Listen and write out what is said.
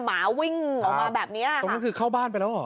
หมาวิ่งออกมาแบบเนี้ยตรงนั้นคือเข้าบ้านไปแล้วเหรอ